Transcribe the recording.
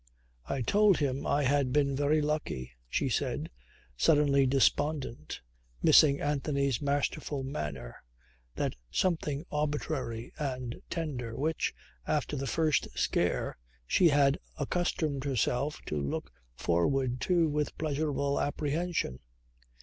"I told him I had been very lucky," she said suddenly despondent, missing Anthony's masterful manner, that something arbitrary and tender which, after the first scare, she had accustomed herself to look forward to with pleasurable apprehension.